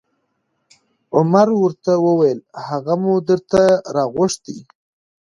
عمر ورته وویل: هغه مو درته راغوښتی